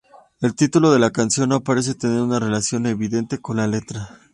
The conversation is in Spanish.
El título de la canción no parece tener una relación evidente con la letra.